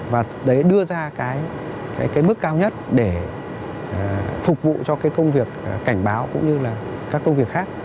và đấy đưa ra cái mức cao nhất để phục vụ cho cái công việc cảnh báo cũng như là các công việc khác